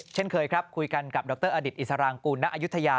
เช่นเคยคุยกันกับดรออิสร่างกูนอะอยุธยา